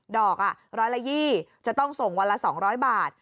ดอกร้อยละ๒จะต้องส่งวันละ๒๐๐บาท